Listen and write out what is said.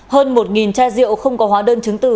hơn một chai rượu không có hóa đơn chứng từ